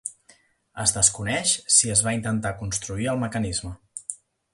Es desconeix si es va intentar construir el mecanisme.